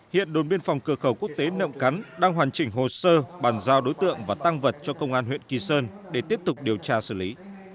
hiện đồn biên phòng cửa khẩu quốc tế nậm cắn đang hoàn chỉnh hồ sơ bàn giao đối tượng và tăng vật cho công an huyện kỳ sơn để tiếp tục điều tra xử lý